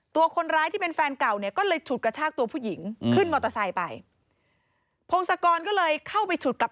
ตัวคนร้ายที่เป็นแฟนเก่าเนี่ยก็เลยฉุดกระชากตัวผู้หญิงขึ้นมอเตอร์ไซค์ไปพงศกรก็เลยเข้าไปฉุดกับ